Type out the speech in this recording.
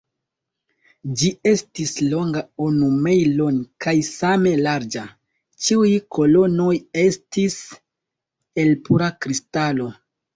Ĝi estis longa unu mejlon kaj same larĝa; ĉiuj kolonoj estis el pura kristalo.